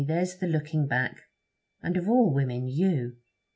there's the looking back. And, of all women, you!'